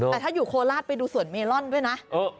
แต่ถ้าอยู่โคราชไปดูสวนเมลอนด้วยนะ